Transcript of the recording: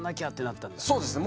そうです。